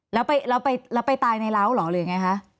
อ้อแล้วไปตายในราวหรือยังไงคะ